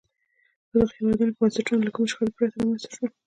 په دغو هېوادونو کې بنسټونه له کومې شخړې پرته رامنځته شول.